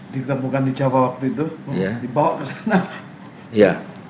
ditemukan di jawa waktu itu dibawa ke sana